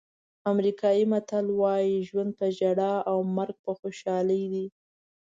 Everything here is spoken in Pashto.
امریکایي متل وایي ژوند په ژړا او مرګ په خوشحالۍ دی.